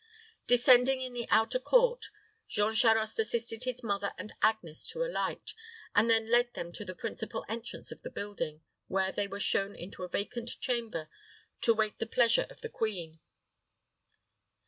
Descending in the outer court, Jean Charost assisted his mother and Agnes to alight, and then led them on to the principal entrance of the building, where they were shown into a vacant chamber, to wait the pleasure of the queen.